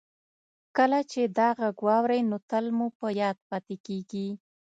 کله چې دا غږ واورئ نو تل مو په یاد پاتې کیږي